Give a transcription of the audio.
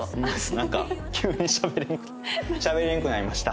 なんか急にしゃべれんくなりました。